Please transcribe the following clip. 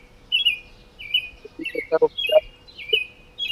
El edificio está ubicado en el barrio El Golf.